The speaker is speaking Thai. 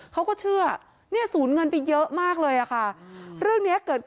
เขาก็เชื่อเา่นสูญเงินเยอะมากเลยค่ะ